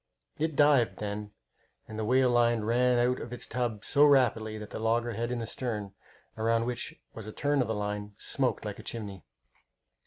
It dived, then, and the whale line ran out of its tub so rapidly that the loggerhead in the stern, around which was a turn of the line, smoked like a chimney.